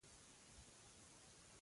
ځانته به یې خزانې پیدا کړي وای.